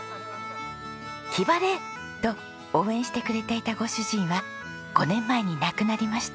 きばれ！と応援してくれていたご主人は５年前に亡くなりました。